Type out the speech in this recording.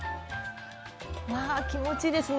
わあ気持ちいいですね